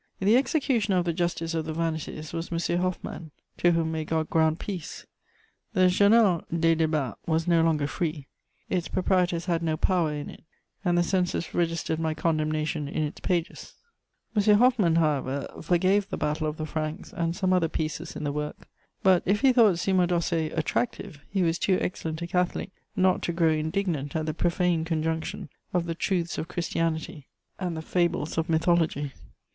The executioner of the justice of the vanities was M. Hoffmann, to whom may God grant peace! The Journal des Débats was no longer free; its proprietors had no power in it, and the censors registered my condemnation in its pages. M. Hoffmann, however, forgave the Battle of the Franks and some other pieces in the work; but, if he thought Cymodocée attractive, he was too excellent a Catholic not to grow indignant at the profane conjunction of the truths of Christianity and the fables of mythology.